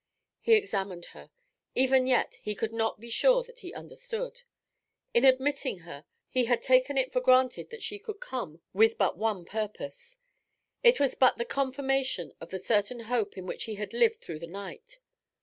He examined her. Even yet he could not be sure that he understood. In admitting her, he had taken it for granted that she could come with but one purpose. It was but the confirmation of the certain hope in which he had lived through the night.